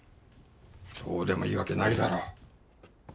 どうでもいいわけないだろう。